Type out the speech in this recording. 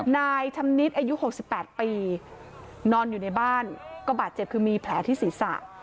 นายชำนิดอายุ๖๘ปีนอนอยู่ในบ้านก็บาดเจ็บคือมีแผลที่ศีรษะ